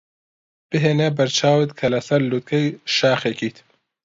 بهێنە بەرچاوت کە لەسەر لووتکەی شاخێکیت.